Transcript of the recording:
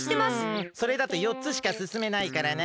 んそれだとよっつしかすすめないからな。